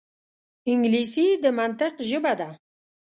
انګلیسي د منطق ژبه ده